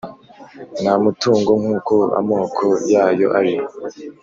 n’amatungo nk’uko amoko yayo ari